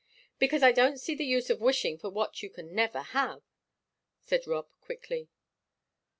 "Because I don't see the use of wishing for what you can never have," said Rob, quickly.